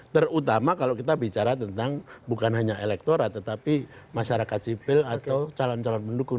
terutama kalau kita bicara tentang bukan hanya elektorat tetapi masyarakat sipil atau calon calon pendukung